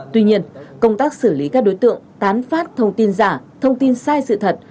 tuy nhiên công tác xử lý các đối tượng tán phát thông tin giả thông tin sai sự thật